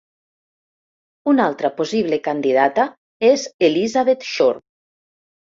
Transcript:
Una altra possible candidata és Elizabeth Shore.